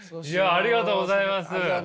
ありがとうございます。